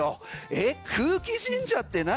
えっ、空気神社って何？